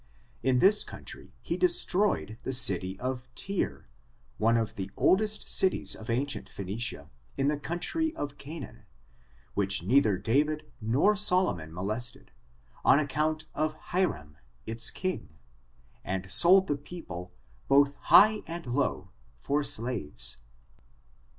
In this country he destroy ed the city of Tyre, one of the eldest cities of ancient PhoBuicia, in the country of Canaan, which neither David nor Solomon molested, on account of Hiram^ its king, and sold the people, both high and low for slaves.